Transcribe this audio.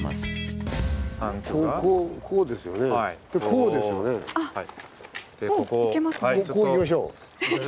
こう行きましょう。